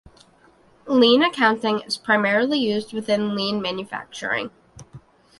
Lean accounting is primarily used within lean manufacturing.